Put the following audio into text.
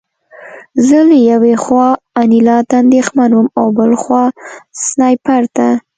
زه له یوې خوا انیلا ته اندېښمن وم او بل خوا سنایپر ته